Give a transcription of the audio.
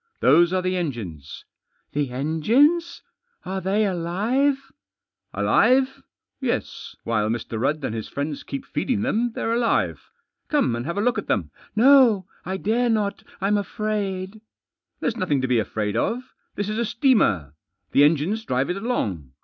" Those are the engines." " The engines ? Are they alive ?"" Alive ? Yes, while Mr. Rudd and his friends keep feeding them they're alive. Come and have a look at them." " No, I dare not I'm afraid." " There's nothing to be afraid of. This is a steamer. The engines drive it along.